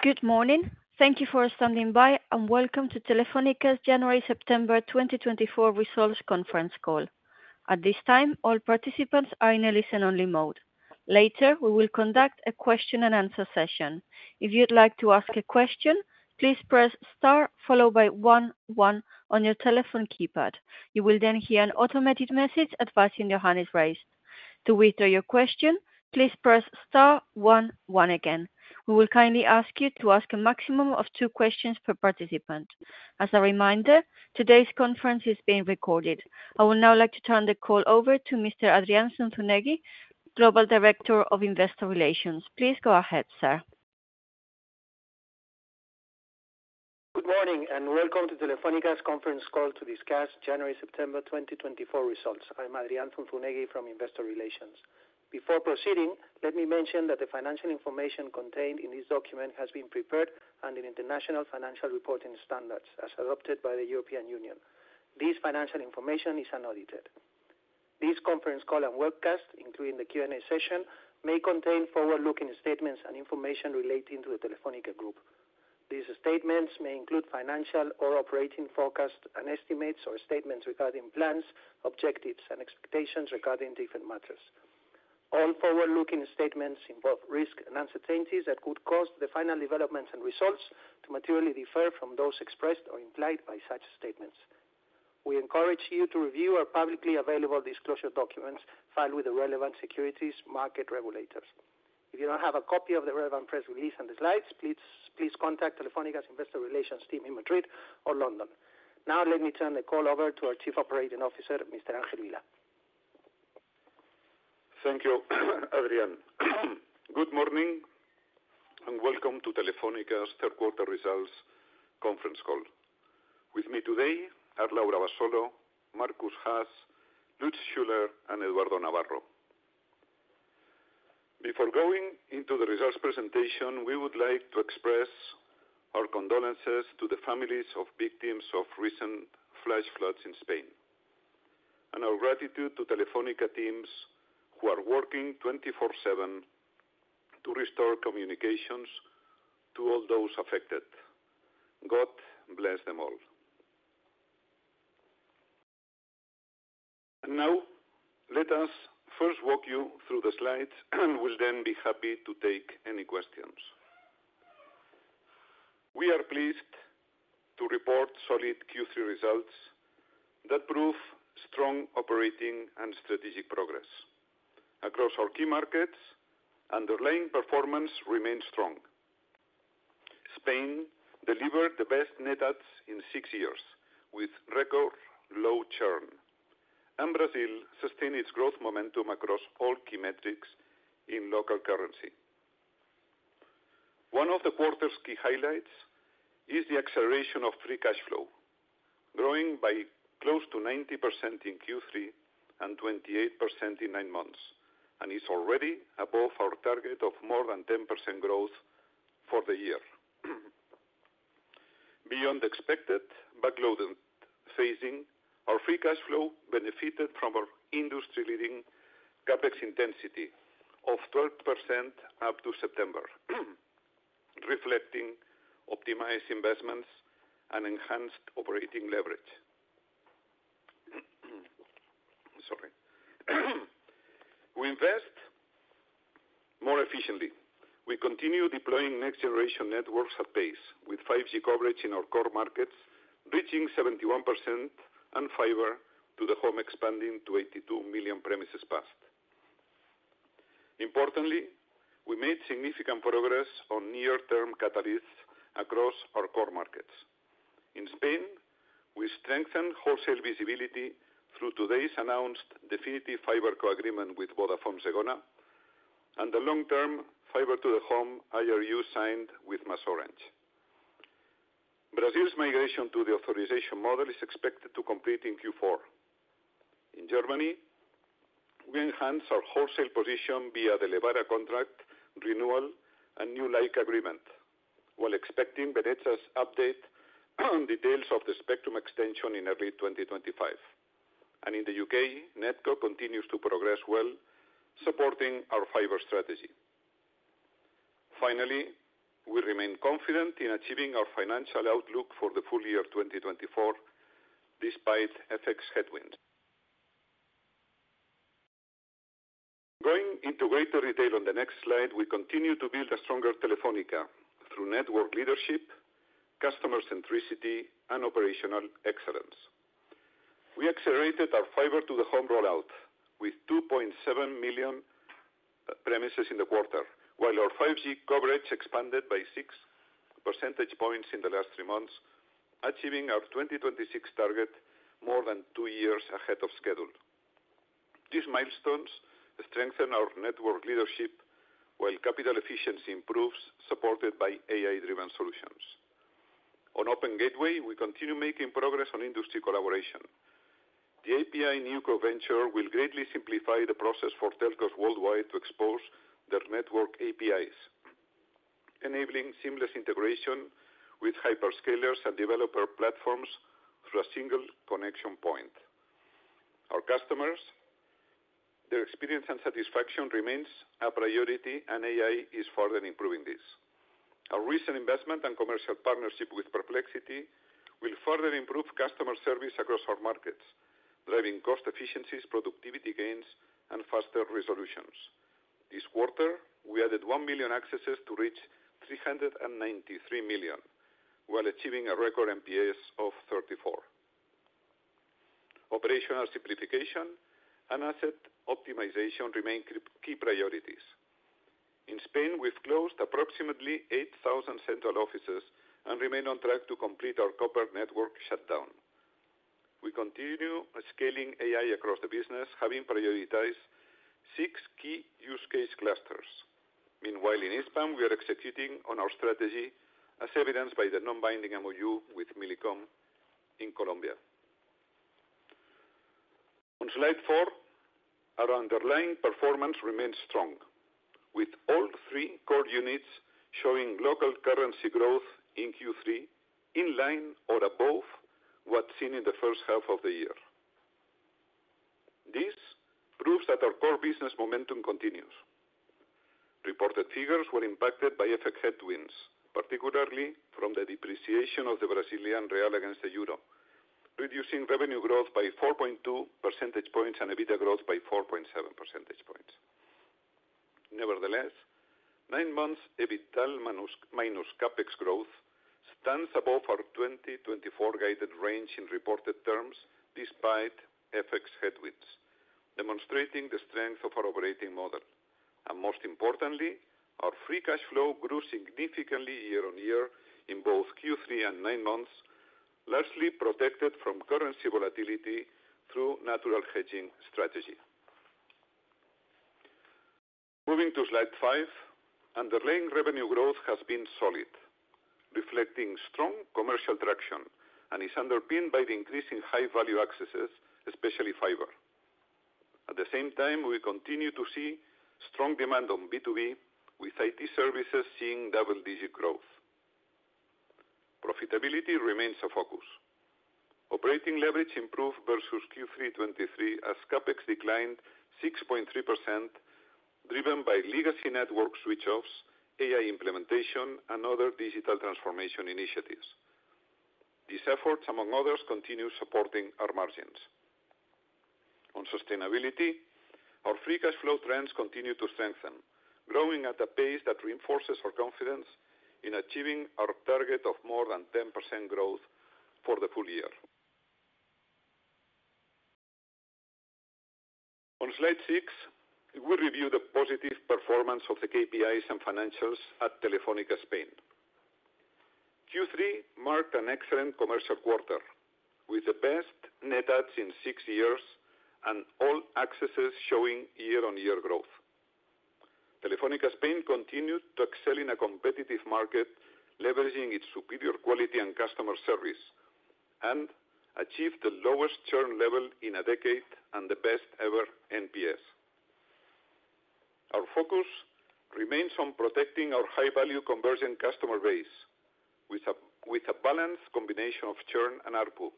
Good morning. Thank you for standing by and welcome to Telefónica's January-September 2024 Results Conference call. At this time, all participants are in a listen-only mode. Later, we will conduct a question-and-answer session. If you'd like to ask a question, please press star one one on your telephone keypad. You will then hear an automated message advising your hand is raised. To withdraw your question, please press star one one again. We will kindly ask you to ask a maximum of two questions per participant. As a reminder, today's conference is being recorded. I would now like to turn the call over to Mr. Adrián Zunzunegui, Global Director of Investor Relations. Please go ahead, sir. Good morning and welcome to Telefónica's conference call to discuss January-September 2024 results. I'm Adrián Zunzunegui from Investor Relations. Before proceeding, let me mention that the financial information contained in this document has been prepared under international financial reporting standards, as adopted by the European Union. This financial information is unedited. This conference call and webcast, including the Q&A session, may contain forward-looking statements and information relating to the Telefónica Group. These statements may include financial or operating forecasts and estimates, or statements regarding plans, objectives, and expectations regarding different matters. All forward-looking statements involve risks and uncertainties that could cause the final developments and results to materially differ from those expressed or implied by such statements. We encourage you to review our publicly available disclosure documents filed with the relevant securities market regulators. If you don't have a copy of the relevant press release and the slides, please contact Telefónica's Investor Relations team in Madrid or London. Now, let me turn the call over to our Chief Operating Officer, Mr. Ángel Vilá. Thank you, Adrián. Good morning and welcome to Telefónica's Q3 results conference call. With me today are Laura Abasolo, Markus Haas, Lutz Schüler, and Eduardo Navarro. Before going into the results presentation, we would like to express our condolences to the families of victims of recent flash floods in Spain, and our gratitude to Telefónica teams who are working 24/7 to restore communications to all those affected. God bless them all. And now, let us first walk you through the slides, and we'll then be happy to take any questions. We are pleased to report solid Q3 results that prove strong operating and strategic progress. Across our key markets, underlying performance remains strong. Spain delivered the best net adds in six years with record low churn, and Brazil sustained its growth momentum across all key metrics in local currency. One of the quarter's key highlights is the acceleration of free cash flow, growing by close to 90% in Q3 and 28% in nine months, and is already above our target of more than 10% growth for the year. Beyond expected backlog phasing, our free cash flow benefited from our industry-leading CapEx intensity of 12% up to September, reflecting optimized investments and enhanced operating leverage. Sorry. We invest more efficiently. We continue deploying next-generation networks at pace, with 5G coverage in our core markets reaching 71%, and fiber-to-the-home expanding to 82 million premises fast. Importantly, we made significant progress on near-term catalysts across our core markets. In Spain, we strengthened wholesale visibility through today's announced definitive fiber co-agreement with Vodafone Zegona, and the long-term fiber-to-the-home IRU signed with MasOrange. Brazil's migration to the authorization model is expected to complete in Q4. In Germany, we enhanced our wholesale position via the Lebara contract renewal and new Lyca agreement, while expecting Veneza's update on details of the spectrum extension in early 2025. And in the U.K., NetCo continues to progress well, supporting our fiber strategy. Finally, we remain confident in achieving our financial outlook for the full year 2024 despite FX headwinds. Going into greater retail on the next slide, we continue to build a stronger Telefónica through network leadership, customer centricity, and operational excellence. We accelerated our fiber-to-the-home rollout with 2.7 million premises in the quarter, while our 5G coverage expanded by 6 percentage points in the last three months, achieving our 2026 target more than two years ahead of schedule. These milestones strengthen our network leadership while capital efficiency improves, supported by AI-driven solutions. On Open Gateway, we continue making progress on industry collaboration. The API NewCo Venture will greatly simplify the process for telcos worldwide to expose their network APIs, enabling seamless integration with hyperscalers and developer platforms through a single connection point. Our customers, their experience and satisfaction remain a priority, and AI is further improving this. Our recent investment and commercial partnership with Perplexity will further improve customer service across our markets, driving cost efficiencies, productivity gains, and faster resolutions. This quarter, we added 1 million accesses to reach 393 million, while achieving a record NPS of 34. Operational simplification and asset optimization remain key priorities. In Spain, we've closed approximately 8,000 central offices and remain on track to complete our copper network shutdown. We continue scaling AI across the business, having prioritized six key use case clusters. Meanwhile, in Hispam, we are executing on our strategy, as evidenced by the non-binding MOU with Millicom in Colombia. On slide four, our underlying performance remains strong, with all three core units showing local currency growth in Q3 in line or above what's seen in the first half of the year. This proves that our core business momentum continues. Reported figures were impacted by FX headwinds, particularly from the depreciation of the Brazilian real against the euro, reducing revenue growth by 4.2 percentage points and EBITDA growth by 4.7 percentage points. Nevertheless, nine months' EBITDA minus CapEx growth stands above our 2024 guided range in reported terms despite FX headwinds, demonstrating the strength of our operating model. And most importantly, our free cash flow grew significantly year on year in both Q3 and nine months, largely protected from currency volatility through natural hedging strategy. Moving to slide five, underlying revenue growth has been solid, reflecting strong commercial traction, and is underpinned by the increase in high-value accesses, especially fiber. At the same time, we continue to see strong demand on B2B, with IT services seeing double-digit growth. Profitability remains a focus. Operating leverage improved versus Q3 2023, as CapEx declined 6.3%, driven by legacy network switch-offs, AI implementation, and other digital transformation initiatives. These efforts, among others, continue supporting our margins. On sustainability, our free cash flow trends continue to strengthen, growing at a pace that reinforces our confidence in achieving our target of more than 10% growth for the full year. On slide six, we review the positive performance of the KPIs and financials at Telefónica Spain. Q3 marked an excellent commercial quarter, with the best net adds in six years and all accesses showing year-on-year growth. Telefónica Spain continued to excel in a competitive market, leveraging its superior quality and customer service, and achieved the lowest churn level in a decade and the best-ever NPS. Our focus remains on protecting our high-value conversion customer base with a balanced combination of churn and ARPU.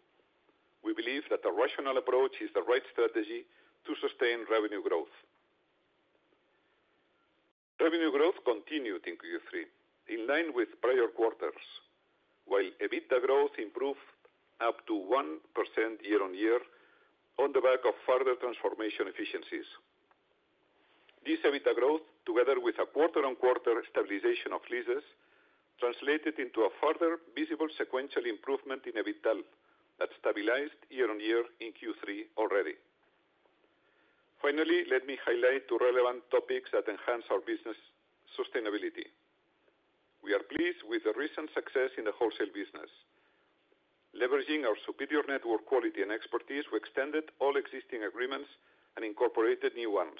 We believe that a rational approach is the right strategy to sustain revenue growth. Revenue growth continued in Q3, in line with prior quarters, while EBITDA growth improved up to 1% year-on-year on the back of further transformation efficiencies. This EBITDA growth, together with a quarter-on-quarter stabilization of leases, translated into a further visible sequential improvement in EBITDA that stabilized year-on-year in Q3 already. Finally, let me highlight two relevant topics that enhance our business sustainability. We are pleased with the recent success in the wholesale business. Leveraging our superior network quality and expertise, we extended all existing agreements and incorporated new ones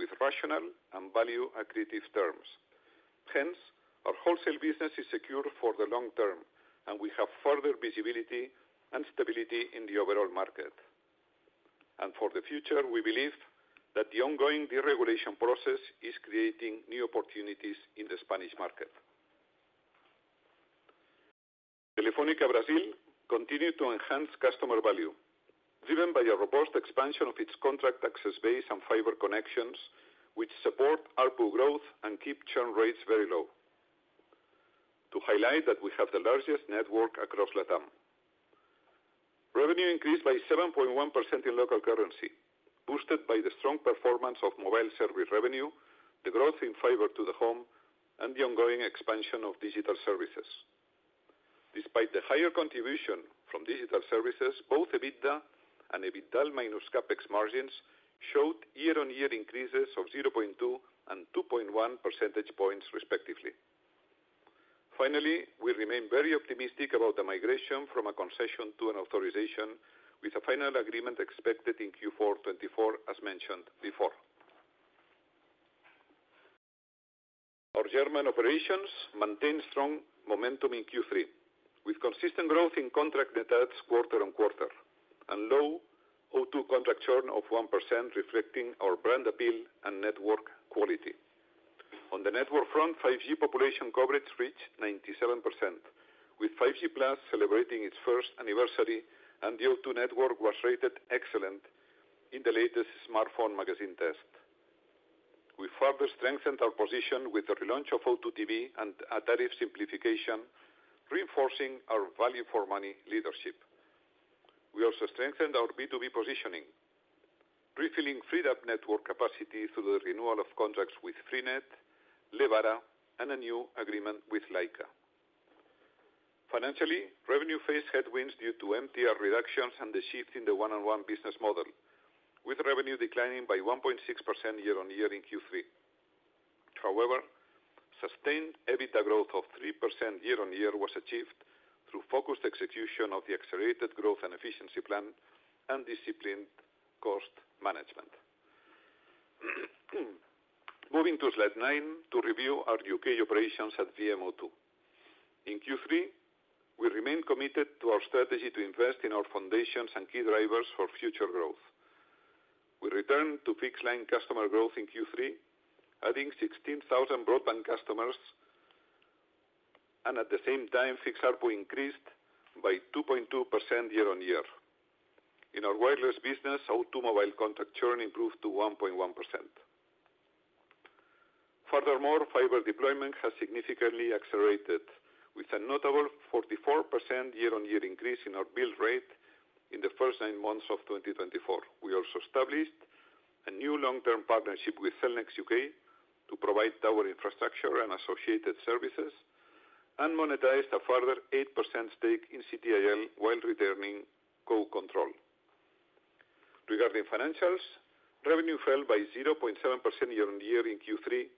with rational and value-accretive terms. Hence, our wholesale business is secure for the long term, and we have further visibility and stability in the overall market. For the future, we believe that the ongoing deregulation process is creating new opportunities in the Spanish market. Telefónica Brasil continues to enhance customer value, driven by a robust expansion of its contract access base and fiber connections, which support ARPU growth and keep churn rates very low. To highlight that we have the largest network across LATAM. Revenue increased by 7.1% in local currency, boosted by the strong performance of mobile service revenue, the growth in fiber-to-the-home, and the ongoing expansion of digital services. Despite the higher contribution from digital services, both EBITDA and EBITDA minus CapEx margins showed year-on-year increases of 0.2 and 2.1 percentage points, respectively. Finally, we remain very optimistic about the migration from a concession to an authorization, with a final agreement expected in Q4 2024, as mentioned before. Our German operations maintain strong momentum in Q3, with consistent growth in contract net adds quarter on quarter and low O2 contract churn of 1%, reflecting our brand appeal and network quality. On the network front, 5G population coverage reached 97%, with 5G Plus celebrating its first anniversary, and the O2 network was rated excellent in the latest smartphone magazine test. We further strengthened our position with the relaunch of O2 TV and a tariff simplification, reinforcing our value-for-money leadership. We also strengthened our B2B positioning, refilling freed-up network capacity through the renewal of contracts with Freenet, Lebara, and a new agreement with Lyca Mobile. Financially, revenue faced headwinds due to MTR reductions and the shift in the 1&1 business model, with revenue declining by 1.6% year-on-year in Q3. However, sustained EBITDA growth of 3% year-on-year was achieved through focused execution of the accelerated growth and efficiency plan and disciplined cost management. Moving to slide nine to review our U.K. operations at VMO2. In Q3, we remained committed to our strategy to invest in our foundations and key drivers for future growth. We returned to fixed-line customer growth in Q3, adding 16,000 broadband customers, and at the same time, fixed ARPU increased by 2.2% year-on-year. In our wireless business, O2 mobile contract churn improved to 1.1%. Furthermore, fiber deployment has significantly accelerated, with a notable 44% year-on-year increase in our build rate in the first nine months of 2024. We also established a new long-term partnership with Cellnex UK to provide our infrastructure and associated services and monetized a further 8% stake in CTIL while returning co-control. Regarding financials, revenue fell by 0.7% year-on-year in Q3,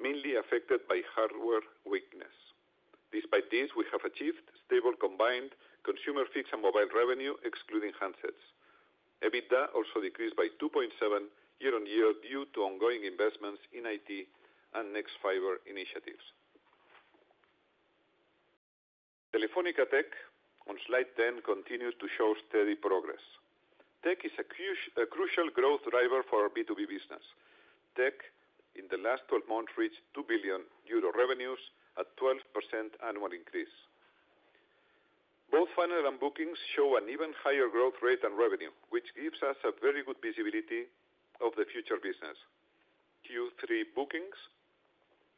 mainly affected by hardware weakness. Despite this, we have achieved stable combined consumer fixed and mobile revenue, excluding handsets. EBITDA also decreased by 2.7% year-on-year due to ongoing investments in IT and nexfibre initiatives. Telefónica Tech on slide 10 continues to show steady progress. Tech is a crucial growth driver for our B2B business. Tech, in the last 12 months, reached 2 billion euro revenues at a 12% annual increase. Both final and bookings show an even higher growth rate than revenue, which gives us a very good visibility of the future business. Q3 bookings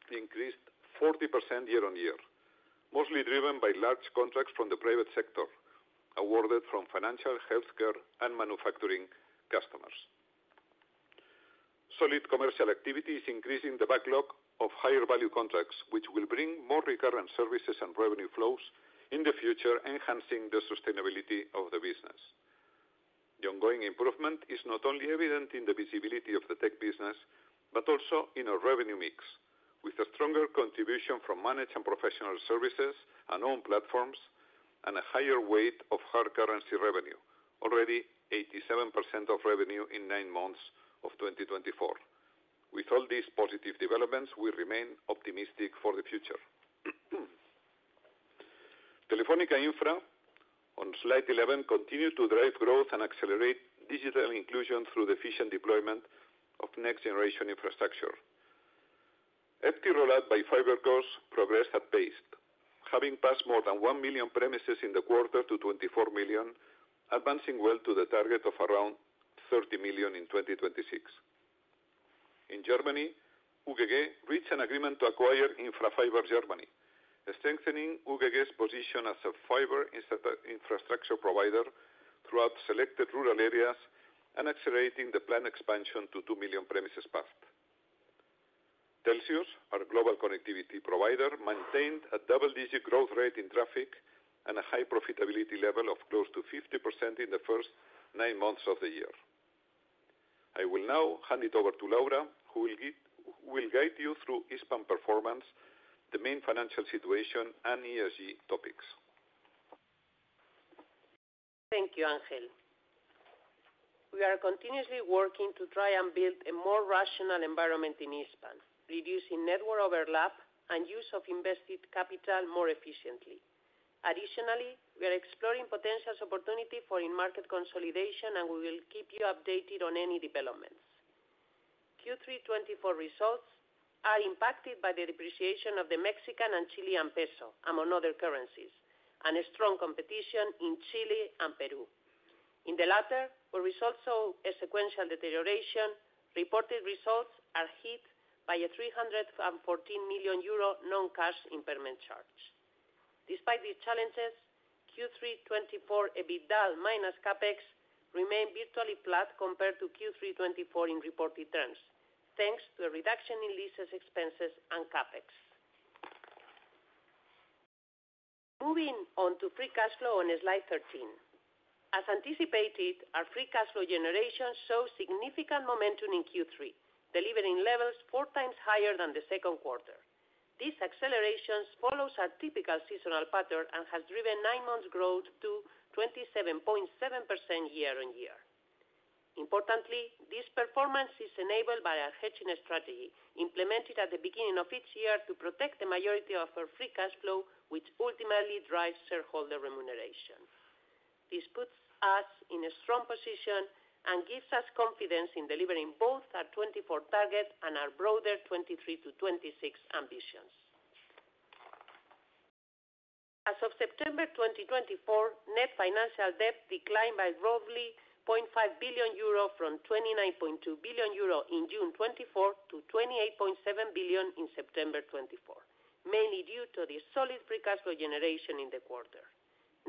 increased 40% year-on-year, mostly driven by large contracts from the private sector awarded from financial, healthcare, and manufacturing customers. Solid commercial activity is increasing the backlog of higher-value contracts, which will bring more recurrent services and revenue flows in the future, enhancing the sustainability of the business. The ongoing improvement is not only evident in the visibility of the tech business, but also in our revenue mix, with a stronger contribution from managed and professional services, and own platforms, and a higher weight of hard currency revenue, already 87% of revenue in nine months of 2024. With all these positive developments, we remain optimistic for the future. Telefónica Infra on slide 11 continues to drive growth and accelerate digital inclusion through the efficient deployment of next-generation infrastructure. FTTH rollout by FiberCos progress at paced, having passed more than one million premises in the quarter to 24 million, advancing well to the target of around 30 million in 2026. In Germany, UGG reached an agreement to acquire InfraFiber Germany, strengthening UGG's position as a fiber infrastructure provider throughout selected rural areas and accelerating the planned expansion to two million premises passed. Telxius, our global connectivity provider, maintained a double-digit growth rate in traffic and a high profitability level of close to 50% in the first nine months of the year. I will now hand it over to Laura, who will guide you through Hispam performance, the main financial situation, and ESG topics. Thank you, Ángel. We are continuously working to try and build a more rational environment in Hispam, reducing network overlap and use of invested capital more efficiently. Additionally, we are exploring potential opportunities for in-market consolidation, and we will keep you updated on any developments. Q3 2024 results are impacted by the depreciation of the Mexican and Chilean peso among other currencies and strong competition in Chile and Peru. In the latter, where we saw a sequential deterioration, reported results are hit by a 314 million euro non-cash impairment charge. Despite these challenges, Q3 2024 EBITDA minus CapEx remained virtually flat compared to Q3 2023 in reported terms, thanks to a reduction in leases, expenses, and CapEx. Moving on to free cash flow on slide 13. As anticipated, our free cash flow generation saw significant momentum in Q3, delivering levels four times higher than the second quarter. These accelerations follow a typical seasonal pattern and have driven nine months' growth to 27.7% year-on-year. Importantly, this performance is enabled by our hedging strategy implemented at the beginning of each year to protect the majority of our free cash flow, which ultimately drives shareholder remuneration. This puts us in a strong position and gives us confidence in delivering both our 2024 target and our broader 2023 to 2026 ambitions. As of September 2024, net financial debt declined by roughly 0.5 billion euro from 29.2 billion euro in June 2024 to 28.7 billion in September 2024, mainly due to the solid free cash flow generation in the quarter.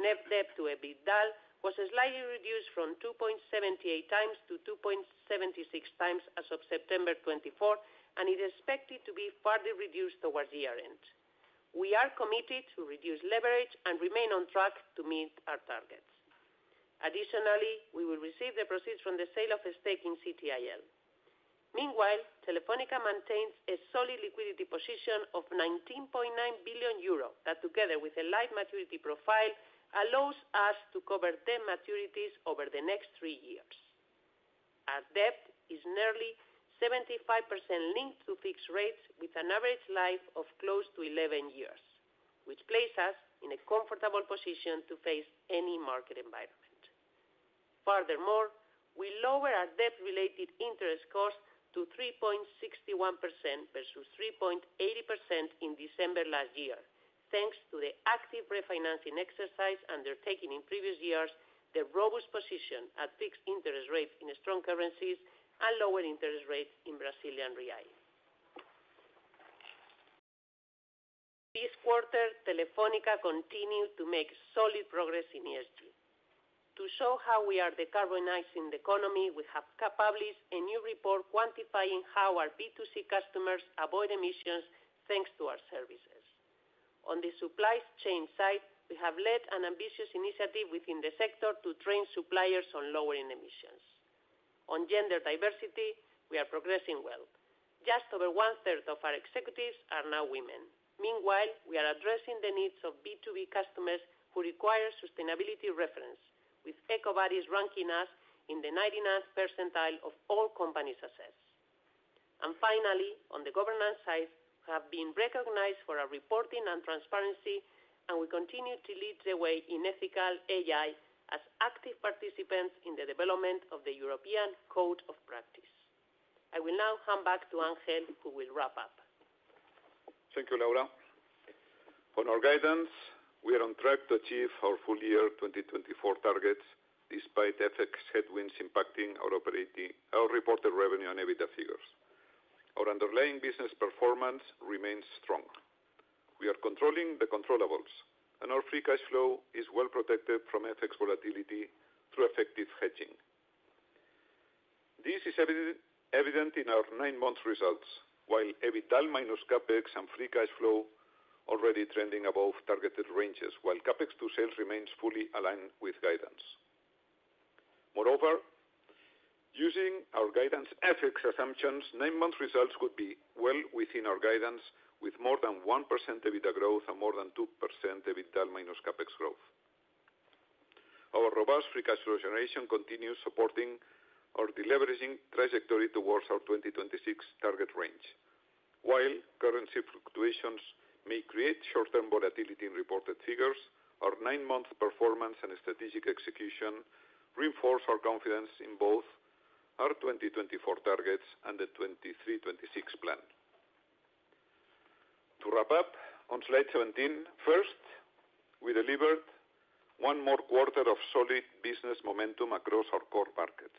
Net debt to EBITDA was slightly reduced from 2.78 times to 2.76 times as of September 2024, and it is expected to be further reduced towards year-end. We are committed to reduce leverage and remain on track to meet our targets. Additionally, we will receive the proceeds from the sale of a stake in CTIL. Meanwhile, Telefónica maintains a solid liquidity position of 19.9 billion euro that, together with a light maturity profile, allows us to cover 10 maturities over the next three years. Our debt is nearly 75% linked to fixed rates, with an average life of close to 11 years, which places us in a comfortable position to face any market environment. Furthermore, we lowered our debt-related interest cost to 3.61% versus 3.80% in December last year, thanks to the active refinancing exercise undertaken in previous years, the robust position at fixed interest rates in strong currencies, and lower interest rates in Brazilian real. This quarter, Telefónica continued to make solid progress in ESG. To show how we are decarbonizing the economy, we have published a new report quantifying how our B2C customers avoid emissions thanks to our services. On the supply chain side, we have led an ambitious initiative within the sector to train suppliers on lowering emissions. On gender diversity, we are progressing well. Just over one-third of our executives are now women. Meanwhile, we are addressing the needs of B2B customers who require sustainability reference, with EcoVadis ranking us in the 99th percentile of all companies assessed. Finally, on the governance side, we have been recognized for our reporting and transparency, and we continue to lead the way in ethical AI as active participants in the development of the European Code of Practice. I will now hand back to Ángel, who will wrap up. Thank you, Laura. On our guidance, we are on track to achieve our full-year 2024 targets despite FX headwinds impacting our reported revenue and EBITDA figures. Our underlying business performance remains strong. We are controlling the controllables, and our free cash flow is well protected from FX volatility through effective hedging. This is evident in our nine-month results, while EBITDA minus CapEx and free cash flow are already trending above targeted ranges, while CapEx to sales remains fully aligned with guidance. Moreover, using our guidance FX assumptions, nine-month results would be well within our guidance, with more than 1% EBITDA growth and more than 2% EBITDA minus CapEx growth. Our robust free cash flow generation continues supporting our deleveraging trajectory towards our 2026 target range. While currency fluctuations may create short-term volatility in reported figures, our nine-month performance and strategic execution reinforce our confidence in both our 2024 targets and the 2023-2026 plan. To wrap up, on slide 17, first, we delivered one more quarter of solid business momentum across our core markets.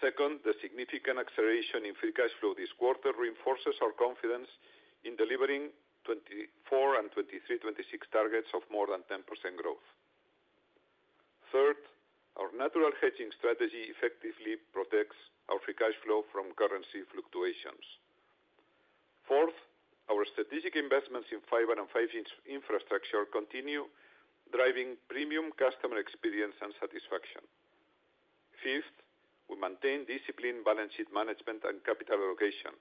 Second, the significant acceleration in free cash flow this quarter reinforces our confidence in delivering 2024 and 2023-2026 targets of more than 10% growth. Third, our natural hedging strategy effectively protects our free cash flow from currency fluctuations. Fourth, our strategic investments in fiber and 5G infrastructure continue driving premium customer experience and satisfaction. Fifth, we maintain disciplined balance sheet management and capital allocation,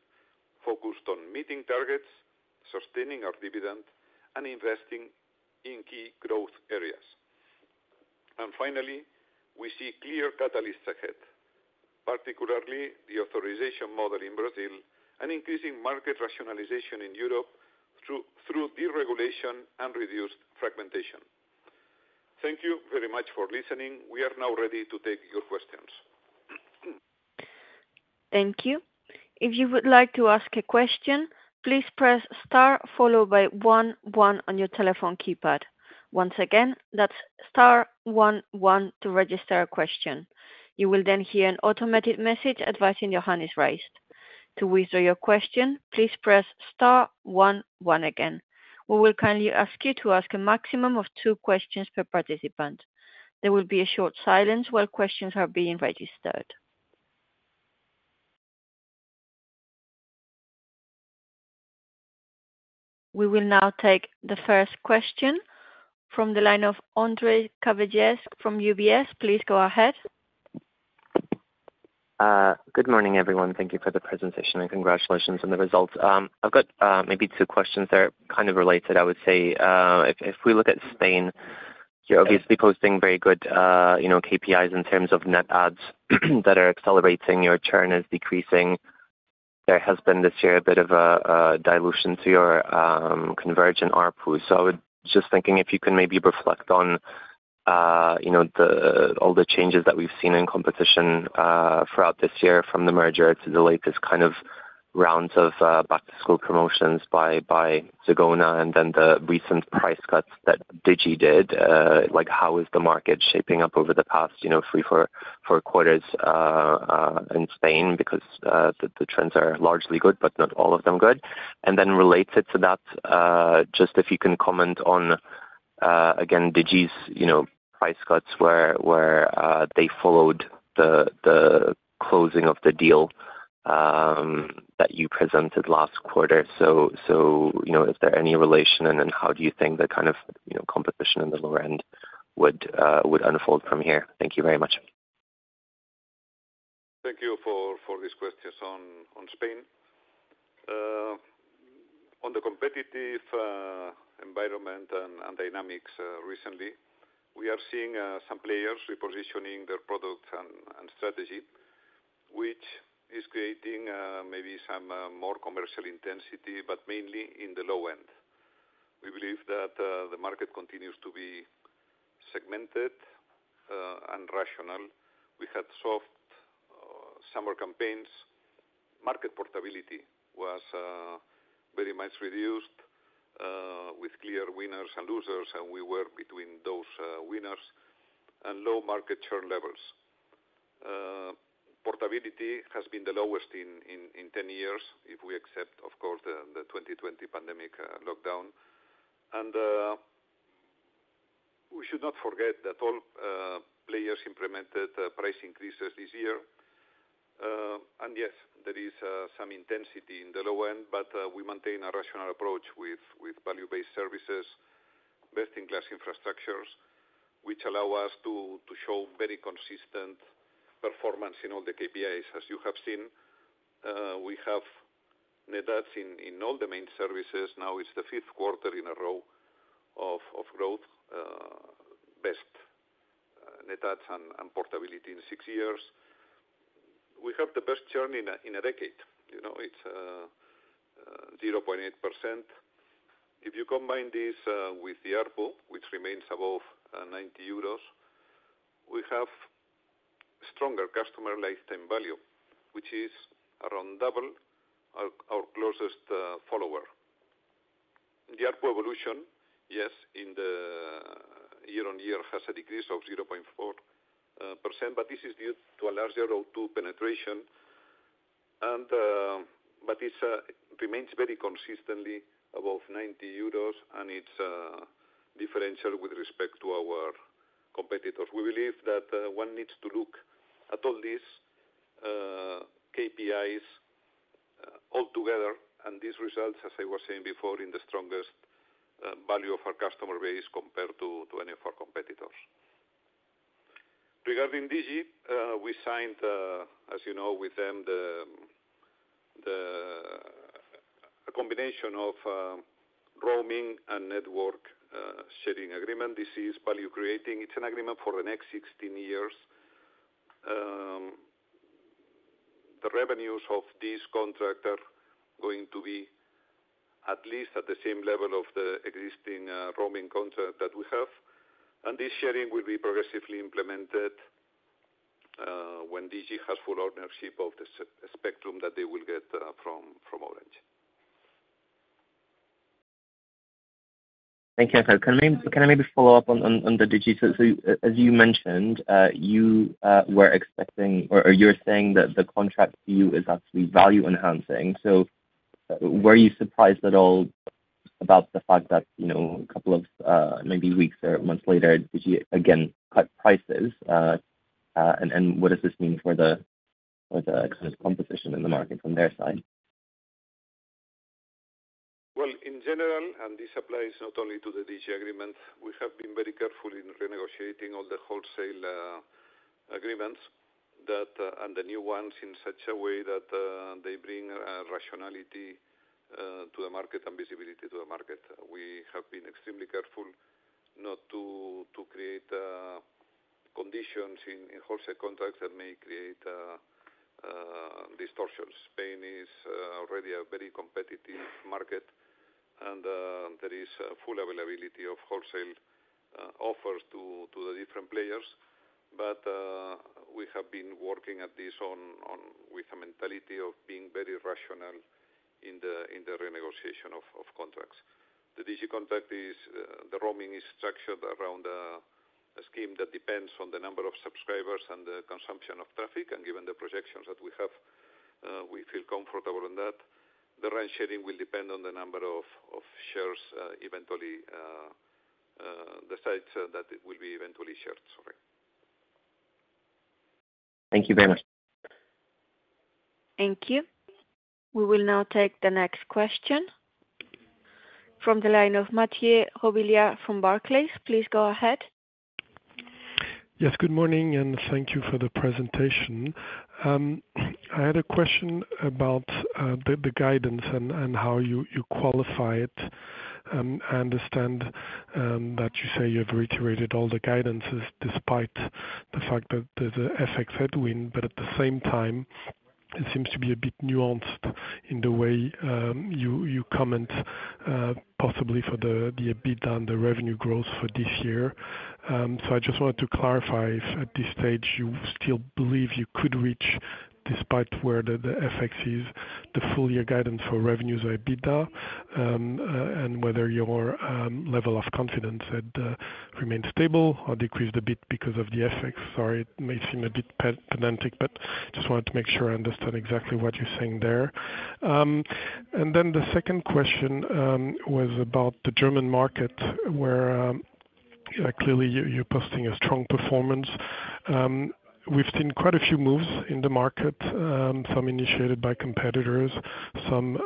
focused on meeting targets, sustaining our dividend, and investing in key growth areas. And finally, we see clear catalysts ahead, particularly the authorization model in Brazil and increasing market rationalization in Europe through deregulation and reduced fragmentation. Thank you very much for listening. We are now ready to take your questions. Thank you. If you would like to ask a question, please press star followed by one one on your telephone keypad. Once again, that's star one to register a question. You will then hear an automated message advising your hand is raised. To withdraw your question, please press star one one again. We will kindly ask you to ask a maximum of two questions per participant. There will be a short silence while questions are being registered. We will now take the first question from the line of Ondrej Cabejsek from UBS. Please go ahead. Good morning, everyone. Thank you for the presentation and congratulations on the results. I've got maybe two questions that are kind of related, I would say. If we look at Spain, you're obviously posting very good KPIs in terms of net adds that are accelerating. Your churn is decreasing. There has been this year a bit of a dilution to your convergent ARPU. So I was just thinking if you can maybe reflect on all the changes that we've seen in competition throughout this year from the merger to the latest kind of rounds of back-to-school promotions by Zegona and then the recent price cuts that Digi did. How is the market shaping up over the past three or four quarters in Spain? Because the trends are largely good, but not all of them good. And then related to that, just if you can comment on, again, Digi's price cuts where they followed the closing of the deal that you presented last quarter. So is there any relation, and then how do you think the kind of competition in the lower end would unfold from here? Thank you very much. Thank you for this question on Spain. On the competitive environment and dynamics recently, we are seeing some players repositioning their products and strategy, which is creating maybe some more commercial intensity, but mainly in the low end. We believe that the market continues to be segmented and rational. We had soft summer campaigns. Market portability was very much reduced with clear winners and losers, and we were between those winners and low market churn levels. Portability has been the lowest in 10 years if we accept, of course, the 2020 pandemic lockdown. And we should not forget that all players implemented price increases this year. And yes, there is some intensity in the low end, but we maintain a rational approach with value-based services, best-in-class infrastructures, which allow us to show very consistent performance in all the KPIs, as you have seen. We have net adds in all the main services. Now it's the fifth quarter in a row of growth, best net adds and portability in six years. We have the best churn in a decade. It's 0.8%. If you combine this with the ARPU, which remains above 90 euros, we have stronger customer lifetime value, which is around double our closest follower. The ARPU evolution, yes, in the year-on-year has a decrease of 0.4%, but this is due to a larger O2 penetration. But it remains very consistently above 90 euros, and it's differential with respect to our competitors. We believe that one needs to look at all these KPIs altogether, and these results, as I was saying before, are the strongest value of our customer base compared to any of our competitors. Regarding Digi, we signed, as you know, with them a combination of roaming and network sharing agreement. This is value-creating. It's an agreement for the next 16 years. The revenues of this contract are going to be at least at the same level of the existing roaming contract that we have, and this sharing will be progressively implemented when Digi has full ownership of the spectrum that they will get from Orange. Thank you, Ángel. Can I maybe follow up on the Digi, so as you mentioned, you were expecting or you're saying that the contract view is actually value-enhancing, so were you surprised at all about the fact that a couple of maybe weeks or months later, Digi again cut prices, and what does this mean for the kind of composition in the market from their side? In general, and this applies not only to the Digi agreement, we have been very careful in renegotiating all the wholesale agreements and the new ones in such a way that they bring rationality to the market and visibility to the market. We have been extremely careful not to create conditions in wholesale contracts that may create distortions. Spain is already a very competitive market, and there is full availability of wholesale offers to the different players. We have been working at this with a mentality of being very rational in the renegotiation of contracts. The Digi contract, the roaming is structured around a scheme that depends on the number of subscribers and the consumption of traffic. Given the projections that we have, we feel comfortable in that. The RAN sharing will depend on the number of sites Digi eventually decides that it will eventually share. Sorry. Thank you very much. Thank you. We will now take the next question from the line of Mathieu Robilliard from Barclays. Please go ahead. Yes, good morning, and thank you for the presentation. I had a question about the guidance and how you qualify it. I understand that you say you have reiterated all the guidances despite the fact that there's an FX headwind, but at the same time, it seems to be a bit nuanced in the way you comment, possibly for the EBITDA and the revenue growth for this year. So I just wanted to clarify if at this stage you still believe you could reach, despite where the FX is, the full-year guidance for revenues or EBITDA and whether your level of confidence remains stable or decreased a bit because of the FX. Sorry, it may seem a bit pedantic, but just wanted to make sure I understand exactly what you're saying there. And then the second question was about the German market, where clearly you're posting a strong performance. We've seen quite a few moves in the market, some initiated by competitors, some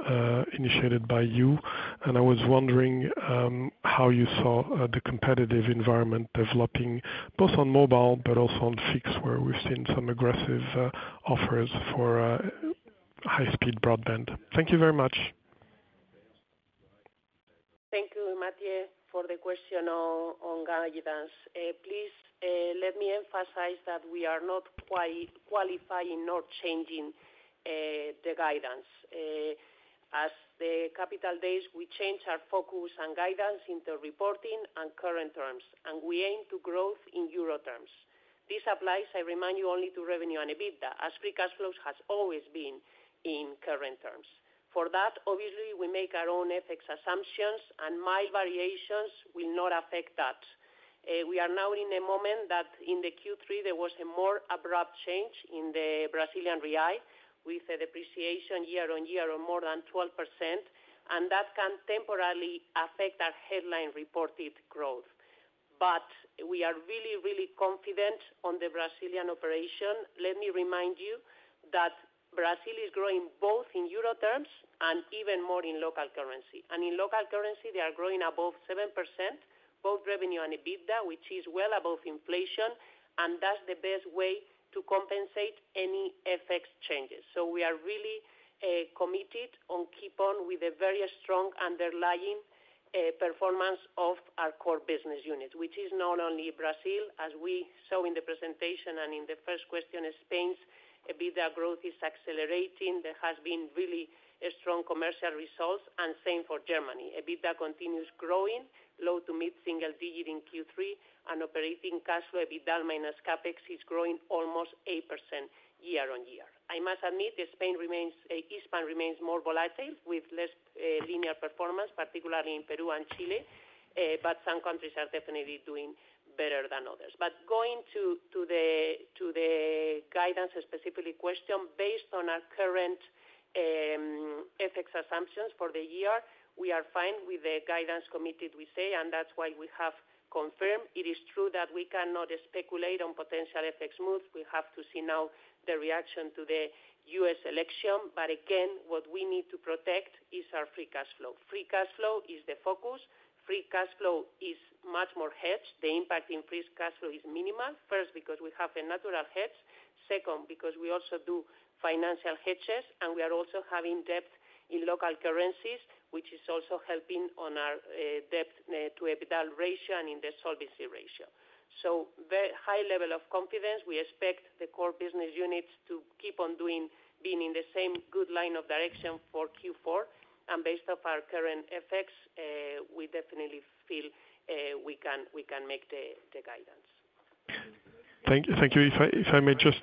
initiated by you. And I was wondering how you saw the competitive environment developing both on mobile but also on fixed where we've seen some aggressive offers for high-speed broadband. Thank you very much. Thank you, Mathieu, for the question on guidance. Please let me emphasize that we are not qualifying nor changing the guidance. As the capital days, we change our focus and guidance into reporting and current terms, and we aim to growth in euro terms. This applies, I remind you, only to revenue and EBITDA, as free cash flows have always been in current terms. For that, obviously, we make our own FX assumptions, and my variations will not affect that. We are now in a moment that in the Q3, there was a more abrupt change in the Brazilian real with a depreciation year-on-year of more than 12%, and that can temporarily affect our headline reported growth. But we are really, really confident on the Brazilian operation. Let me remind you that Brazil is growing both in euro terms and even more in local currency. And in local currency, they are growing above 7%, both revenue and EBITDA, which is well above inflation, and that's the best way to compensate any FX changes. So we are really committed on keep on with the very strong underlying performance of our core business unit, which is not only Brazil, as we saw in the presentation and in the first question, Spain's EBITDA growth is accelerating. There has been really strong commercial results, and same for Germany. EBITDA continues growing, low- to mid-single-digit in Q3, and operating cash flow EBITDA minus CapEx is growing almost 8% year-on-year. I must admit, Spain remains. Hispam remains more volatile with less linear performance, particularly in Peru and Chile, but some countries are definitely doing better than others. But going to the guidance specifically question, based on our current FX assumptions for the year, we are fine with the guidance we see, we say, and that's why we have confirmed. It is true that we cannot speculate on potential FX moves. We have to see now the reaction to the U.S. election. But again, what we need to protect is our free cash flow. Free cash flow is the focus. Free cash flow is much more hedged. The impact in free cash flow is minimal. First, because we have a natural hedge. Second, because we also do financial hedges, and we are also having debt in local currencies, which is also helping on our debt to EBITDA ratio and in the solvency ratio. So very high level of confidence. We expect the core business units to keep on doing, being in the same good line of direction for Q4. And based off our current FX, we definitely feel we can make the guidance. Thank you. If I may just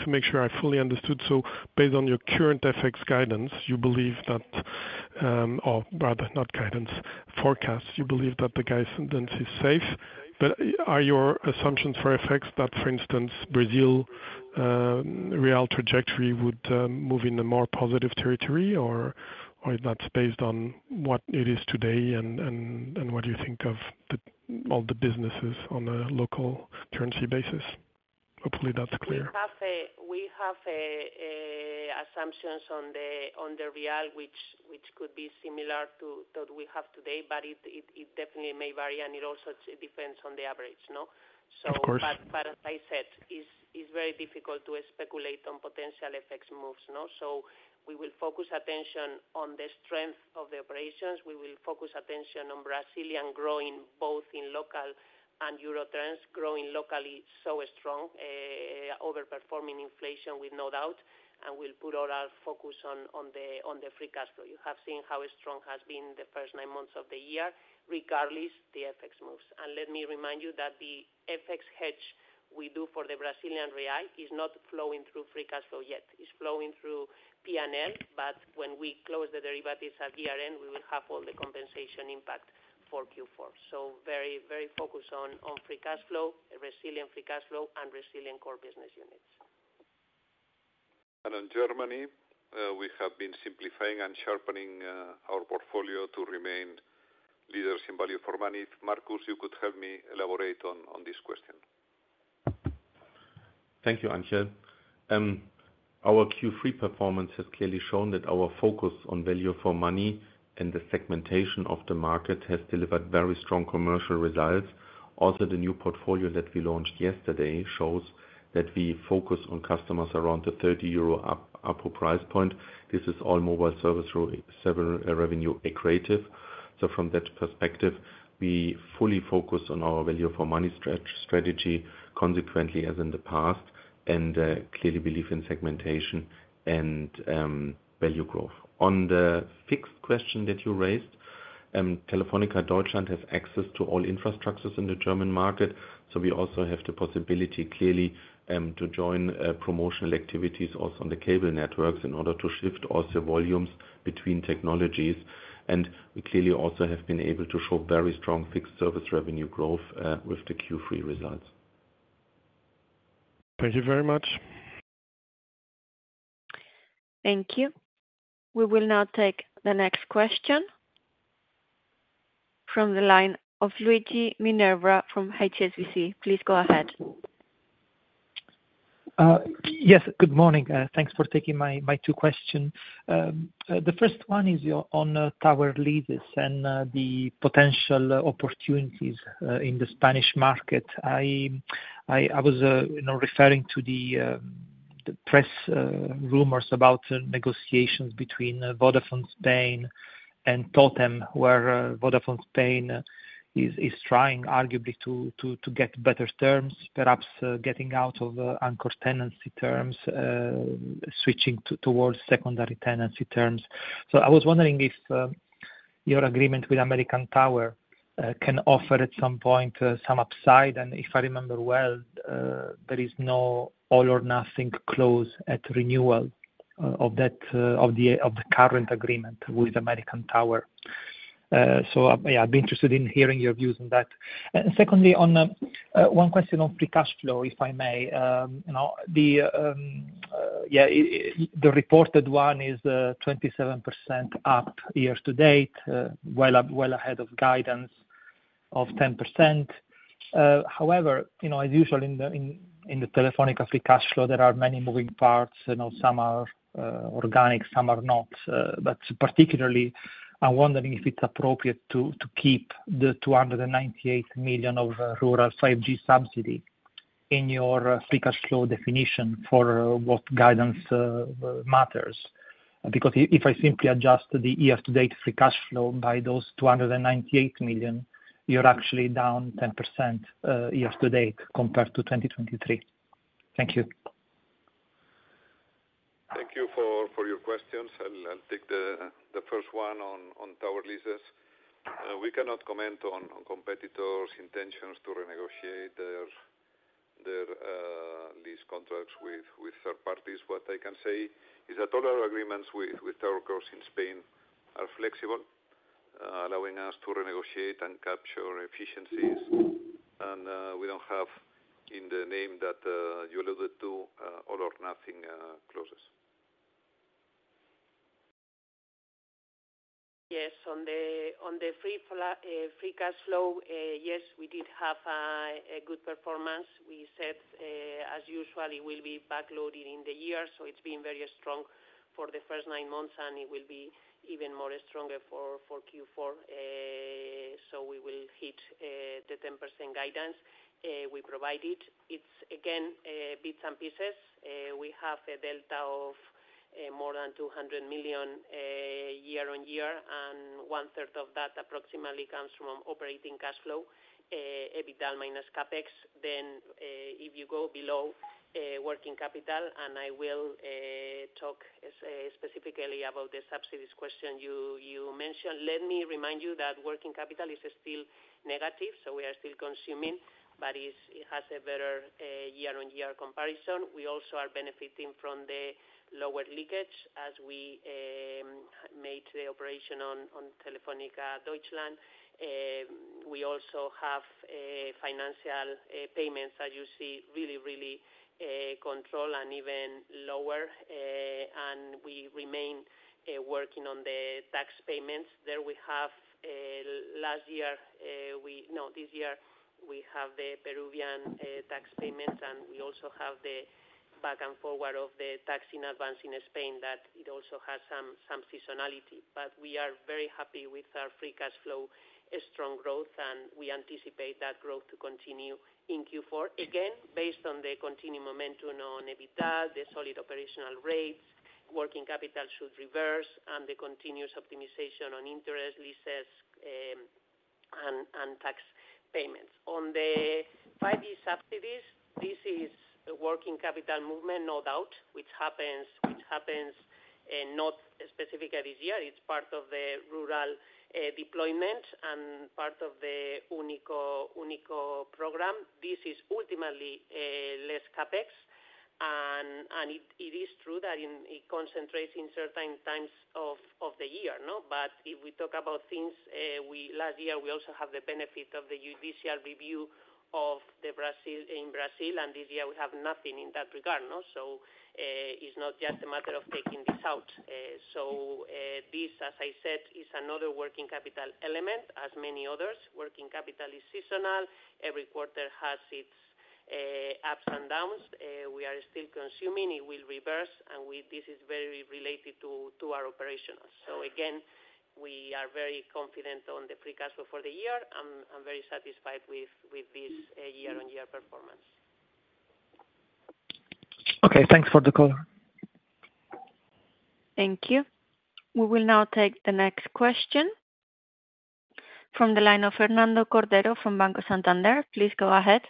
to make sure I fully understood, so based on your current FX guidance, you believe that or rather not guidance, forecasts, you believe that the guidance is safe. But are your assumptions for FX that, for instance, Brazilian real trajectory would move in a more positive territory, or is that based on what it is today and what you think of all the businesses on a local currency basis? Hopefully, that's clear. We have assumptions on the real, which could be similar to what we have today, but it definitely may vary, and it also depends on the average. But as I said, it's very difficult to speculate on potential FX moves. So we will focus attention on the strength of the operations. We will focus attention on Brazilian growing both in local and euro terms, growing locally so strong, overperforming inflation with no doubt, and we'll put all our focus on the free cash flow. You have seen how strong has been the first nine months of the year, regardless of the FX moves. Let me remind you that the FX hedge we do for the Brazilian real is not flowing through free cash flow yet. It's flowing through P&L, but when we close the derivatives at year-end, we will have all the compensation impact for Q4. Very focused on free cash flow, Brazilian free cash flow, and Brazilian core business units. In Germany, we have been simplifying and sharpening our portfolio to remain leaders in value for money. Markus, you could help me elaborate on this question. Thank you, Ángel. Our Q3 performance has clearly shown that our focus on value for money and the segmentation of the market has delivered very strong commercial results. Also, the new portfolio that we launched yesterday shows that we focus on customers around the 30 euro upper price point. This is all mobile service revenue accretive. So from that perspective, we fully focus on our value for money strategy, consequently, as in the past, and clearly believe in segmentation and value growth. On the fixed question that you raised, Telefónica Deutschland has access to all infrastructures in the German market, so we also have the possibility clearly to join promotional activities also on the cable networks in order to shift also volumes between technologies. And we clearly also have been able to show very strong fixed service revenue growth with the Q3 results. Thank you very much. Thank you. We will now take the next question from the line of Luigi Minerva from HSBC. Please go ahead. Yes, good morning. Thanks for taking my two questions. The first one is on tower leases and the potential opportunities in the Spanish market. I was referring to the press rumors about negotiations between Vodafone Spain and Totem, where Vodafone Spain is trying arguably to get better terms, perhaps getting out of anchor tenancy terms, switching towards secondary tenancy terms. So I was wondering if your agreement with American Tower can offer at some point some upside. And if I remember well, there is no all-or-nothing close at renewal of the current agreement with American Tower. So yeah, I'd be interested in hearing your views on that. And secondly, on one question on free cash flow, if I may, yeah, the reported one is 27% up year to date, well ahead of guidance of 10%. However, as usual, in the Telefónica free cash flow, there are many moving parts. Some are organic, some are not. But particularly, I'm wondering if it's appropriate to keep the 298 million of rural 5G subsidy in your free cash flow definition for what guidance matters? Because if I simply adjust the year-to-date free cash flow by those 298 million, you're actually down 10% year-to-date compared to 2023. Thank you. Thank you for your questions. I'll take the first one on tower leases. We cannot comment on competitors' intentions to renegotiate their lease contracts with third parties. What I can say is that all our agreements with telcos in Spain are flexible, allowing us to renegotiate and capture efficiencies. And we don't have, in the vein that you alluded to, all-or-nothing clauses. Yes, on the free cash flow, yes, we did have a good performance. We said, as usual, it will be backloaded in the year. It's been very strong for the first nine months, and it will be even more stronger for Q4. We will hit the 10% guidance we provided. It's, again, bits and pieces. We have a delta of more than 200 million year-on-year, and one-third of that approximately comes from operating cash flow, EBITDA minus CapEx. If you go below working capital, and I will talk specifically about the subsidies question you mentioned, let me remind you that working capital is still negative, so we are still consuming, but it has a better year-on-year comparison. We also are benefiting from the lower leakage as we made the operation on Telefónica Deutschland. We also have financial payments that you see really, really controlled and even lower. We remain working on the tax payments. There we have last year? No, this year, we have the Peruvian tax payments, and we also have the back and forward of the taxing advance in Spain that it also has some seasonality, but we are very happy with our free cash flow, strong growth, and we anticipate that growth to continue in Q4. Again, based on the continued momentum on EBITDA, the solid operational rates, working capital should reverse, and the continuous optimization on interest, leases, and tax payments. On the 5G subsidies, this is working capital movement, no doubt, which happens not specifically this year. It's part of the rural deployment and part of the UNICO program. This is ultimately less CapEx, and it is true that it concentrates in certain times of the year. But if we talk about things, last year, we also had the benefit of the judicial review in Brazil, and this year, we have nothing in that regard. So it's not just a matter of taking this out. So this, as I said, is another working capital element, as many others. Working capital is seasonal. Every quarter has its ups and downs. We are still consuming. It will reverse, and this is very related to our operations. So again, we are very confident on the free cash flow for the year. I'm very satisfied with this year-on-year performance. Okay, thanks for the call. Thank you. We will now take the next question from the line of Fernando Cordero from Banco Santander. Please go ahead.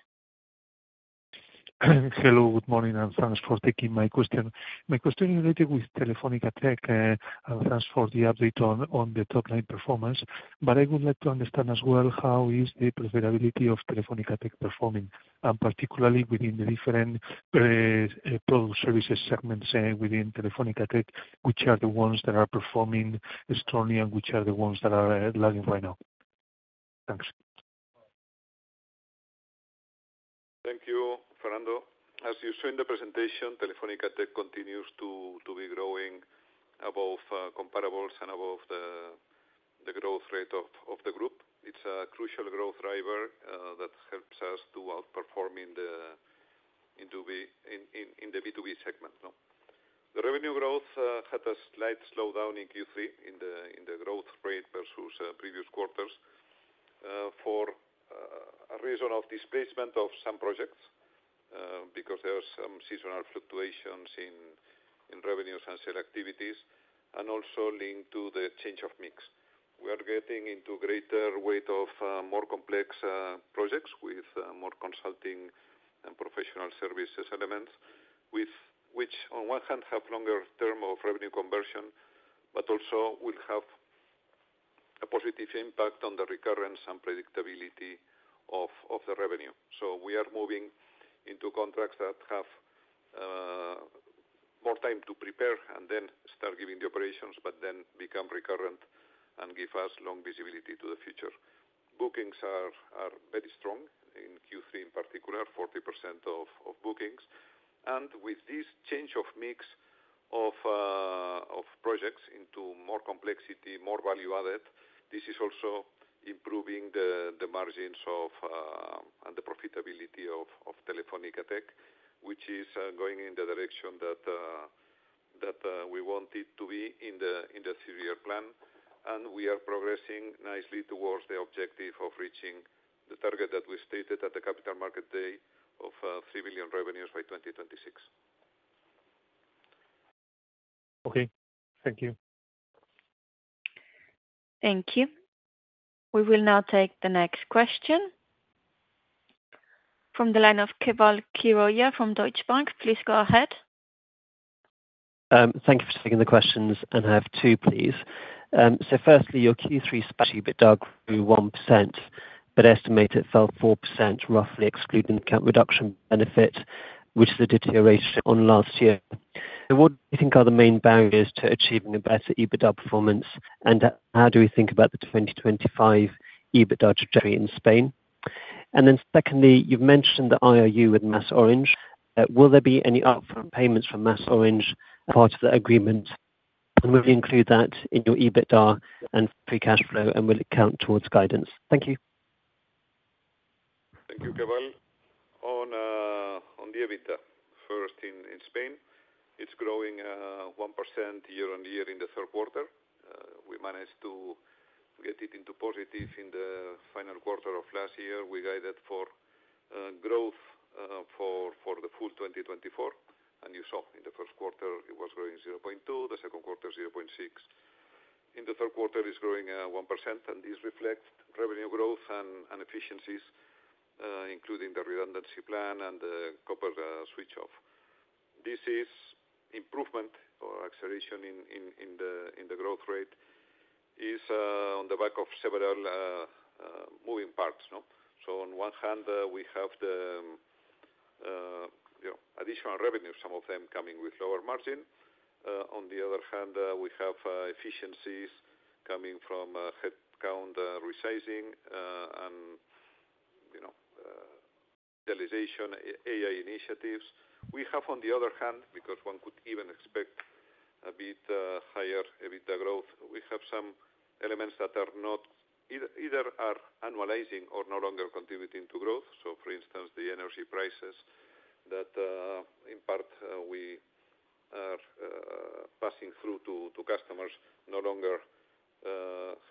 Hello, good morning. Thank you for taking my question. My question is related with Telefónica Tech. Thank you for the update on the top-line performance. But I would like to understand as well how is the profitability of Telefónica Tech performing, particularly within the different product services segments within Telefónica Tech, which are the ones that are performing strongly and which are the ones that are lagging right now? Thanks. Thank you, Fernando. As you saw in the presentation, Telefónica Tech continues to be growing above comparables and above the growth rate of the group. It's a crucial growth driver that helps us to outperform in the B2B segment. The revenue growth had a slight slowdown in Q3 in the growth rate versus previous quarters for a reason of displacement of some projects because there are some seasonal fluctuations in revenues and sales activities, and also linked to the change of mix. We are getting into greater weight of more complex projects with more consulting and professional services elements, which on one hand have longer term of revenue conversion, but also will have a positive impact on the recurrence and predictability of the revenue. So we are moving into contracts that have more time to prepare and then start giving the operations, but then become recurrent and give us long visibility to the future. Bookings are very strong in Q3 in particular, 40% of bookings. And with this change of mix of projects into more complexity, more value added, this is also improving the margins and the profitability of Telefónica Tech, which is going in the direction that we want it to be in the three-year plan. And we are progressing nicely towards the objective of reaching the target that we stated at the capital market day of 3 billion revenues by 2026. Okay, thank you. Thank you. We will now take the next question from the line of Keval Khiroya from Deutsche Bank. Please go ahead. Thank you for taking the questions. And I have two, please. So firstly, your Q3 EBITDA grew 1%, but estimate it fell 4%, roughly excluding the account reduction benefit, which is a deterioration on last year. What do you think are the main barriers to achieving a better EBITDA performance, and how do we think about the 2025 EBITDA trajectory in Spain? And then secondly, you've mentioned the IRU with MasOrange. Will there be any upfront payments from MasOrange as part of the agreement? And will you include that in your EBITDA and free cash flow, and will it count towards guidance? Thank you. Thank you, Keval. On the EBITDA, first in Spain, it's growing 1% year-on-year in the third quarter. We managed to get it into positive in the final quarter of last year. We guided for growth for the full 2024. And you saw in the first quarter, it was growing 0.2%, the second quarter 0.6%. In the third quarter, it's growing 1%, and this reflects revenue growth and efficiencies, including the redundancy plan and the copper switch-off. This is improvement or acceleration in the growth rate on the back of several moving parts. So on one hand, we have the additional revenue, some of them coming with lower margin. On the other hand, we have efficiencies coming from headcount resizing and realization AI initiatives. We have, on the other hand, because one could even expect a bit higher EBITDA growth, we have some elements that are not either annualizing or no longer contributing to growth, so for instance, the energy prices that in part we are passing through to customers no longer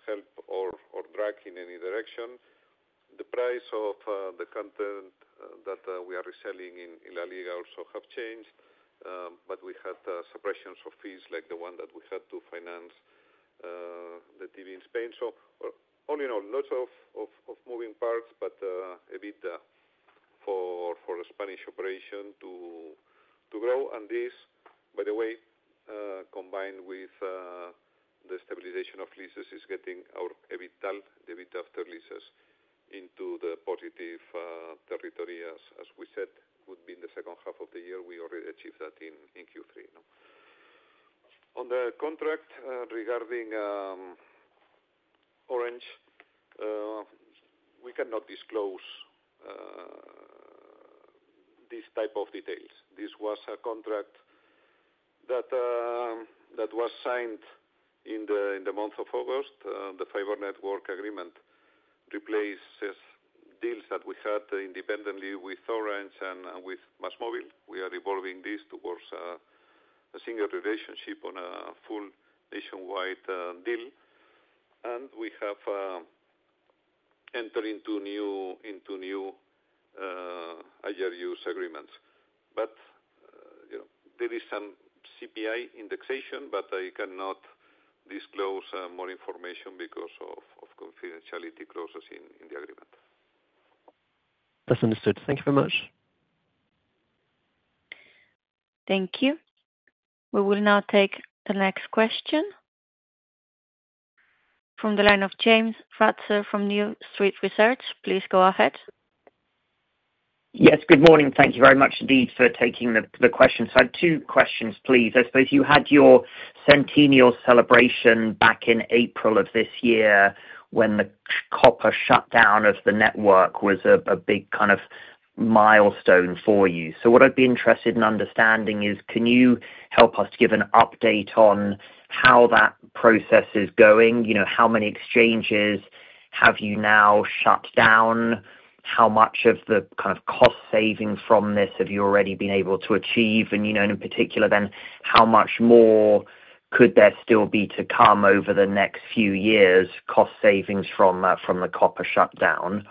help or drag in any direction. The price of the content that we are reselling in La Liga also has changed, but we had suppressions of fees like the one that we had to finance the TV in Spain, so all in all, lots of moving parts, but EBITDA for a Spanish operation to grow, and this, by the way, combined with the stabilization of leases, is getting our EBITDA, the EBITDA after leases, into the positive territory, as we said, would be in the second half of the year. We already achieved that in Q3. On the contract regarding Orange, we cannot disclose these type of details. This was a contract that was signed in the month of August. The fiber network agreement replaces deals that we had independently with Orange and with MásMóvil. We are evolving this towards a single relationship on a full nationwide deal, and we have entered into new IRUs agreements, but there is some CPI indexation, but I cannot disclose more information because of confidentiality clauses in the agreement. That's understood. Thank you very much. Thank you. We will now take the next question from the line of James Ratzer from New Street Research. Please go ahead. Yes, good morning. Thank you very much indeed for taking the question, so I have two questions, please. I suppose you had your centennial celebration back in April of this year when the copper shutdown of the network was a big kind of milestone for you. So what I'd be interested in understanding is, can you help us to give an update on how that process is going? How many exchanges have you now shut down? How much of the kind of cost savings from this have you already been able to achieve? And in particular, then how much more could there still be to come over the next few years, cost savings from the copper shutdown?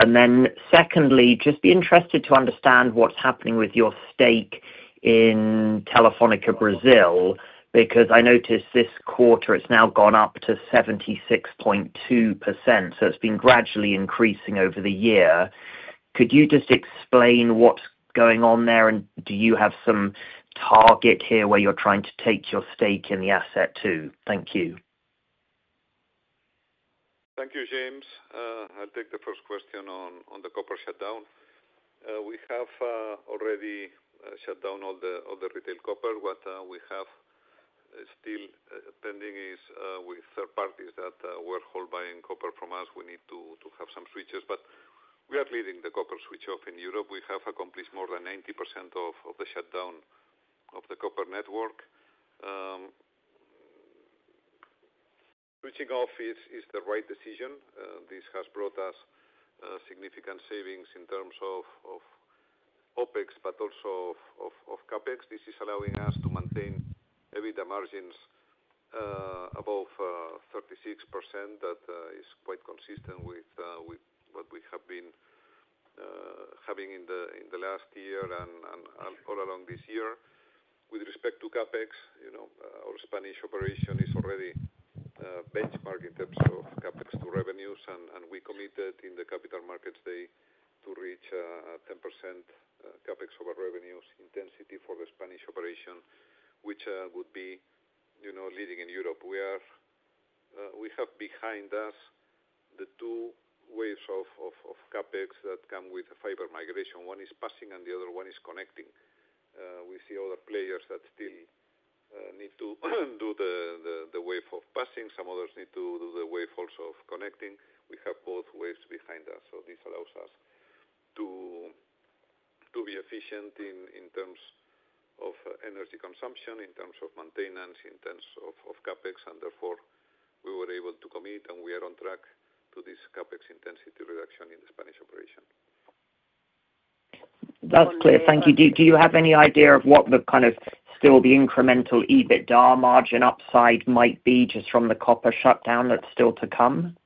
And then secondly, just be interested to understand what's happening with your stake in Telefónica Brasil, because I noticed this quarter, it's now gone up to 76.2%. So it's been gradually increasing over the year. Could you just explain what's going on there, and do you have some target here where you're trying to take your stake in the asset too? Thank you. Thank you, James. I'll take the first question on the copper shutdown. We have already shut down all the retail copper. What we have still pending is with third parties that were wholesale buying copper from us. We need to have some switches, but we are leading the copper switch-off in Europe. We have accomplished more than 90% of the shutdown of the copper network. Switching off is the right decision. This has brought us significant savings in terms of OpEx, but also of CapEx. This is allowing us to maintain EBITDA margins above 36% that is quite consistent with what we have been having in the last year and all along this year. With respect to CapEx, our Spanish operation is already benchmarking in terms of CapEx to revenues, and we committed in the Capital Markets Day to reach 10% CapEx over revenues intensity for the Spanish operation, which would be leading in Europe. We have behind us the two waves of CapEx that come with fiber migration. One is passing, and the other one is connecting. We see other players that still need to do the wave of passing. Some others need to do the wave also of connecting. We have both waves behind us. So this allows us to be efficient in terms of energy consumption, in terms of maintenance, in terms of CapEx, and therefore, we were able to commit, and we are on track to this CapEx intensity reduction in the Spanish operation. That's clear. Thank you. Do you have any idea of what the kind of still the incremental EBITDA margin upside might be just from the copper shutdown that's still to come?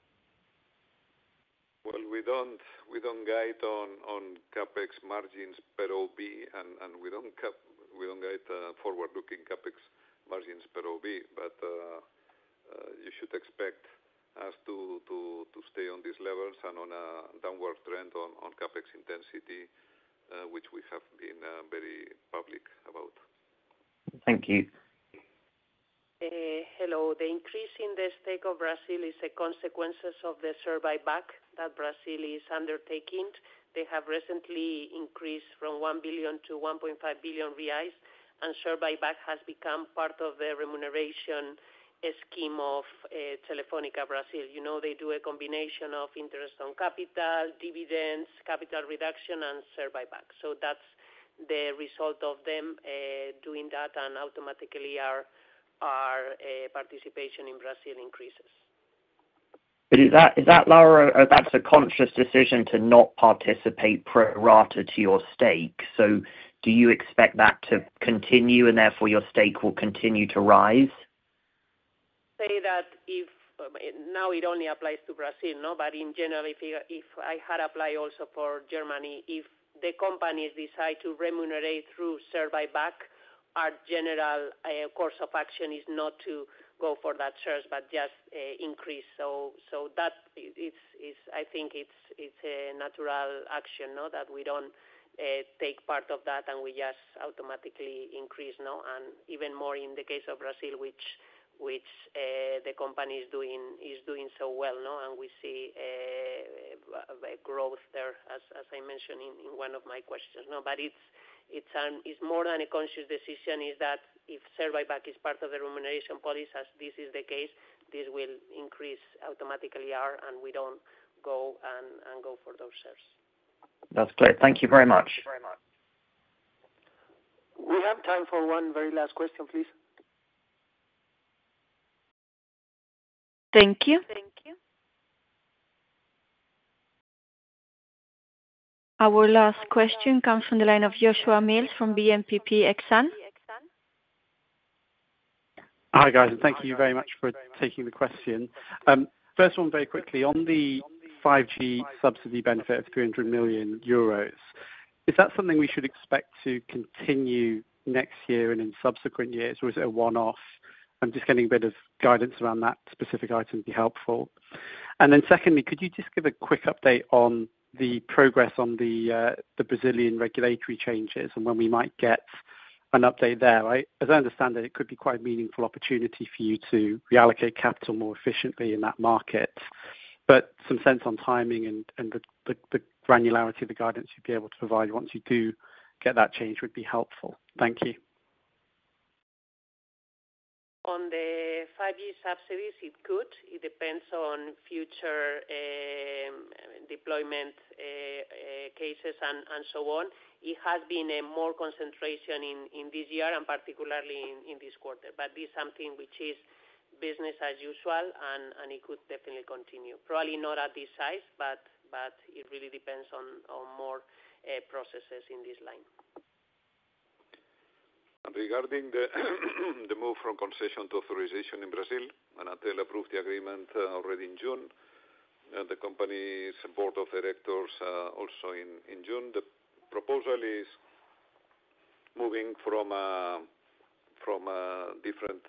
Well, we don't guide on CapEx margins per OIBDA, and we don't guide forward-looking CapEx margins per OIBDA, but you should expect us to stay on these levels and on a downward trend on CapEx intensity, which we have been very public about. Thank you. Hello. The increase in the stake of Brazil is a consequence of the share buyback that Brazil is undertaking. They have recently increased from 1 billion to 1.5 billion reais, and share buyback has become part of the remuneration scheme of Telefónica Brasil. They do a combination of interest on capital, dividends, capital reduction, and share buyback. So that's the result of them doing that, and automatically, our participation in Brazil increases. Is that Laura? That's a conscious decision to not participate pro rata to your stake. So do you expect that to continue, and therefore, your stake will continue to rise? Say that if now it only applies to Brazil, but in general, if I had applied also for Germany, if the companies decide to remunerate through share buyback, our general course of action is not to go for that share, but just increase. So I think it's a natural action that we don't take part of that, and we just automatically increase. Even more in the case of Brazil, which the company is doing so well, and we see growth there, as I mentioned in one of my questions. But it's more than a conscious decision is that if share buyback is part of the remuneration policy, as this is the case, this will increase automatically our, and we don't go and go for those surges. That's clear. Thank you very much. Thank you very much. We have time for one very last question, please. Thank you. Thank you. Our last question comes from the line of Joshua Mills from BNP Paribas Exane. Hi, guys. And thank you very much for taking the question. First one, very quickly, on the 5G subsidy benefit of 300 million euros, is that something we should expect to continue next year and in subsequent years, or is it a one-off? I'm just getting a bit of guidance around that specific item to be helpful. And then secondly, could you just give a quick update on the progress on the Brazilian regulatory changes and when we might get an update there? As I understand it, it could be quite a meaningful opportunity for you to reallocate capital more efficiently in that market. But some sense on timing and the granularity of the guidance you'd be able to provide once you do get that change would be helpful. Thank you. On the 5G subsidies, it could. It depends on future deployment cases and so on. It has been a more concentration in this year and particularly in this quarter. But this is something which is business as usual, and it could definitely continue. Probably not at this size, but it really depends on more processes in this line. And regarding the move from concession to authorization in Brazil, Anatel approved the agreement already in June. The company's board of directors also in June. The proposal is moving from a different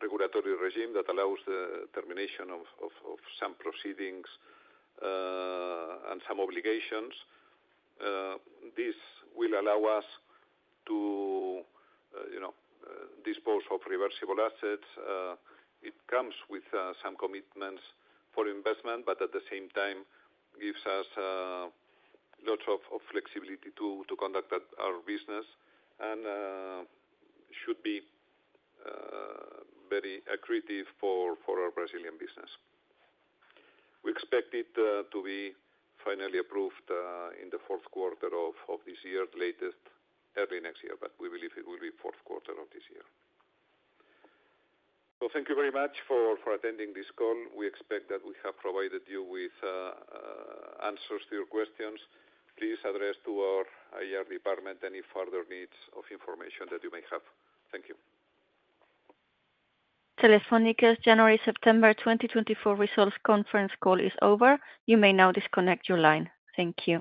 regulatory regime that allows the termination of some proceedings and some obligations. This will allow us to dispose of reversible assets. It comes with some commitments for investment, but at the same time, gives us lots of flexibility to conduct our business and should be very accretive for our Brazilian business. We expect it to be finally approved in the fourth quarter of this year, the latest early next year, but we believe it will be fourth quarter of this year. So thank you very much for attending this call. We expect that we have provided you with answers to your questions. Please address to our IR department any further needs of information that you may have. Thank you. Telefónica's January-September 2024 results conference call is over. You may now disconnect your line. Thank you.